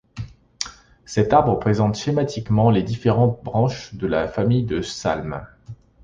Cet arbre présente schématiquement les différentes branches de la famille de Salm.